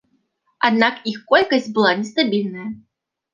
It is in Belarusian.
Аднак іх колькасць была нестабільная.